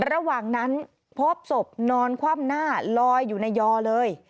ระหว่างนั้นพบศพนอนคว่ำหน้าลอยอยู่ในยอเลย